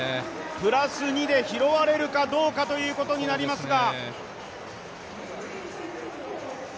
プラス２で拾われるかどうかということになりますが。